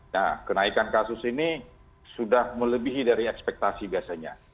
nah kenaikan kasus ini sudah melebihi dari ekspektasi biasanya